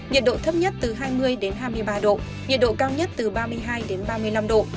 nhiệt độ thấp nhất từ hai mươi hai mươi ba độ nhiệt độ cao nhất từ ba mươi hai ba mươi năm độ